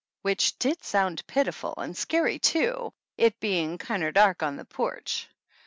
which did sound pitiful and scary, too, it being kinder dark on the porch.